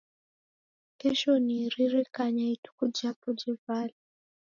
Kesho niaririkanya ituku japo jevalwa